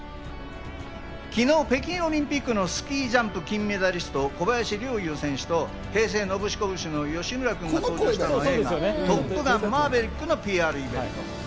昨日、北京オリンピックのスキージャンプ金メダリスト・小林陵侑選手と、平成ノブシコブシの吉村君が、登場したのは映画『トップガンマーヴェリック』の公開前イベント。